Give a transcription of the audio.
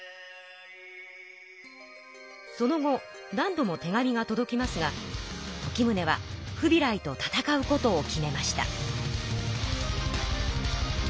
その後何度も手紙がとどきますが時宗はフビライと戦うことを決めました。